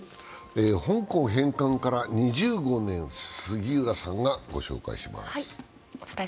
香港返還から２５年杉浦さんがご紹介します。